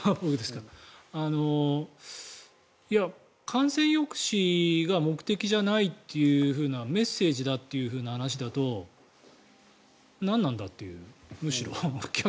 感染抑止が目的じゃないというメッセージだという話だとなんなんだという、むしろ。